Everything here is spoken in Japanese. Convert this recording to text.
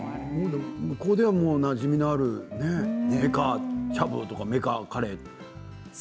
向こうではなじみのあるメカしゃぶとかメカカレー。